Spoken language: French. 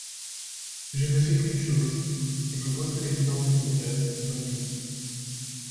Je ne sais qu'une chose, c'est que votre existence me pèse et m'avilit.